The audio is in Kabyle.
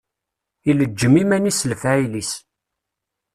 Ileǧǧem iman-is s lefɛayel-is.